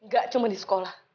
gak cuma di sekolah